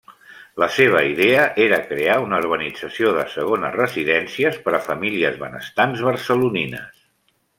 La seva idea era crear una urbanització de segones residències per a famílies benestants barcelonines.